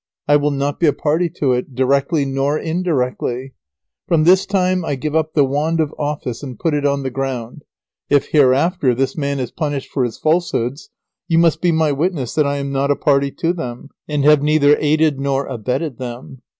I will not be a party to it, directly nor indirectly. From this time I give up the wand of office and put it on the ground. If hereafter this man is punished for his falsehoods, you must be my witness that I am not a party to them, and have neither aided nor abetted them.